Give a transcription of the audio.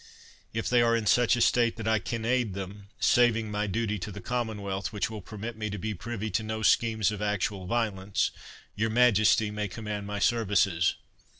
If they are in such a state that I can aid them, saving my duty to the Commonwealth, which will permit me to be privy to no schemes of actual violence, your Majesty may command my services."